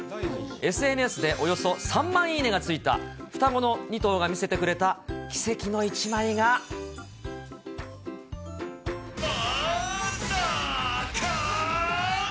ＳＮＳでおよそ３万いいねがついた、双子の２頭が見せてくれた奇跡の一枚が。え？